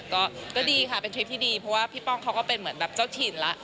ก็ดีค่ะเป็นทริปที่ดีเพราะว่าพี่ป้องเขาก็เป็นเหมือนแบบเจ้าถิ่นแล้ว